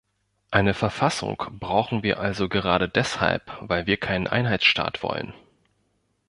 Eine Verfassung brauchen wir also gerade deshalb, weil wir keinen Einheitsstaat wollen.